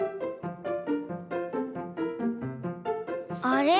あれ？